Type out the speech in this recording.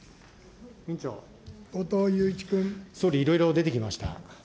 総理、いろいろ出てきました。